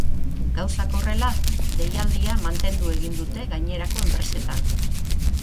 Gauzak horrela, deialdia mantendu egin dute gainerako enpresetan.